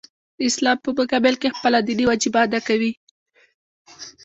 د اسلام په مقابل کې خپله دیني وجیبه ادا کوي.